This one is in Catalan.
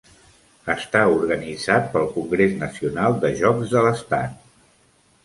Està organitzat pel Congrés Nacional de Jocs de l'Estat.